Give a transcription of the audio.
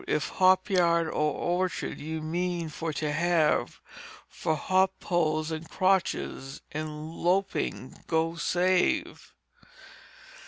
"If hop yard or orchard ye mean for to have, For hop poles and crotches in lopping go save.